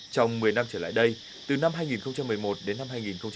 trong một mươi năm trở lại đây từ năm hai nghìn một mươi một đến năm hai nghìn một mươi tám